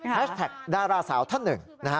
แฮชแท็กดาราสาวท่านหนึ่ง